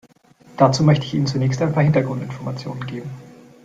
Dazu möchte ich Ihnen zunächst ein paar Hintergrundinformationen geben.